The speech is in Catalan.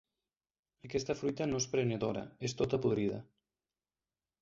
Aquesta fruita no és prenedora: és tota podrida.